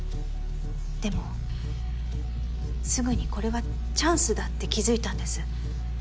でもすぐにこれはチャンスだって気づいたんです。